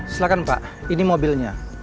silahkan pak ini mobilnya